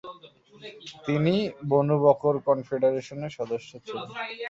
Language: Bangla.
তিনি বনু বকর কনফেডারেশনের সদস্য ছিলেন।